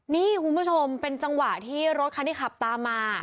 นี่คุณผู้ชมเป็นจังหวะที่รถคันที่ขับตามมา